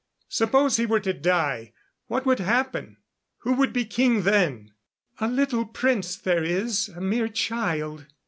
Suppose he were to die what would happen? Who would be king then?" "A little prince there is a mere child.